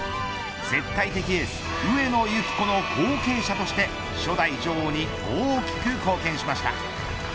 絶対的エース上野由岐子の後継者として初代女王に大きく貢献しました。